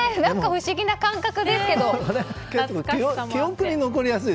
不思議な感覚ですけど。